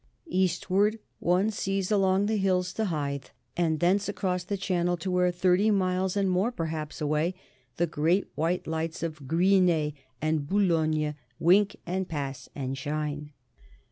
Eastward one sees along the hills to Hythe, and thence across the Channel to where, thirty miles and more perhaps, away, the great white lights by Gris Nez and Boulogne wink and pass and shine.